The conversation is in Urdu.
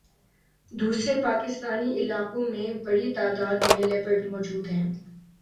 دوسرے پاکستانی علاقوں میں بڑی تعداد میں لیپرڈ موجود ہیں